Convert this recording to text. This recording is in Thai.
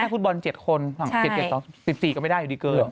ฟุตบอล๗คนฝั่ง๗๗๑๔ก็ไม่ได้อยู่ดีเกิน